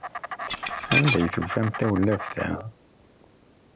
Anda ay tufamt tawlaft-a?